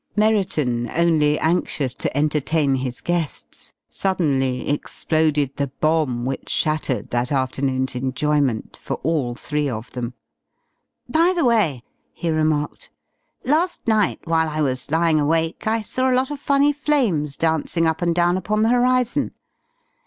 Merriton, only anxious to entertain his guests, suddenly exploded the bomb which shattered that afternoon's enjoyment for all three of them. "By the way," he remarked, "last night, while I was lying awake I saw a lot of funny flames dancing up and down upon the horizon.